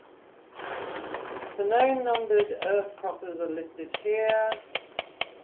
The known numbered Earth-crossers are listed here.